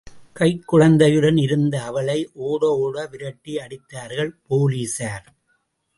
கைக் குழந்தையுடன் இருந்த அவளை ஓட ஓட விரட்டி அடித்தார்கள் போலீசார்.